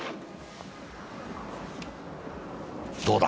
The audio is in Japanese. どうだ？